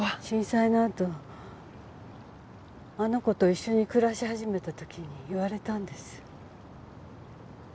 震災のあとあの子と一緒に暮らし始めた時に言われたんです。